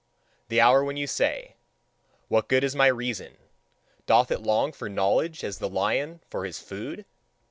The hour when ye say: "What good is my reason! Doth it long for knowledge as the lion for his food?